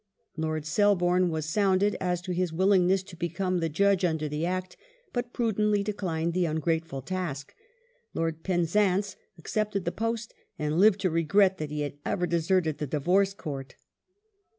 Lord Selborne was sounded as to his willingness to become the Judge under the Act, but prudently declined the ungrateful task. Lord Penzance ac cepted the post and lived to regret that he had ever deserted the Divorce Court.